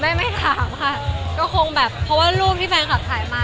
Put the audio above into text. ไม่ไม่ถามค่ะก็คงแบบเพราะว่ารูปที่แฟนคลับถ่ายมา